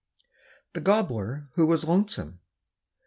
THE GOBBLER WHO WAS LONESOME.